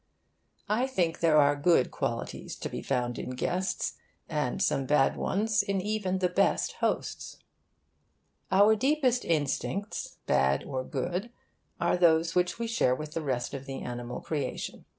I think there are good qualities to be found in guests, and some bad ones in even the best hosts. Our deepest instincts, bad or good, are those which we share with the rest of the animal creation.